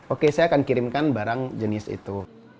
oke saya akan kirimkan barang jenis itu